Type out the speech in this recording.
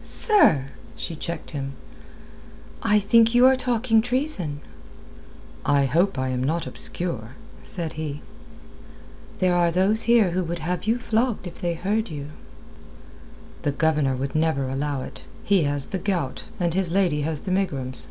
"Sir!" she checked him. "I think you are talking treason." "I hope I am not obscure," said he. "There are those here who would have you flogged if they heard you." "The Governor would never allow it. He has the gout, and his lady has the megrims."